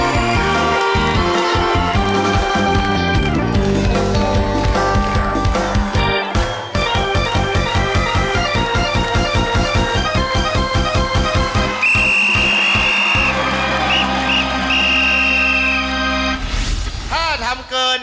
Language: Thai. ส่งไปให้เขาเลย